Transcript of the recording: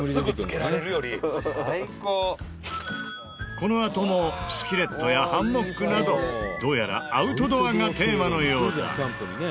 このあともスキレットやハンモックなどどうやらアウトドアがテーマのようだ。